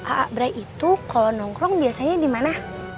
a a brai itu kalau nongkrong biasanya dimana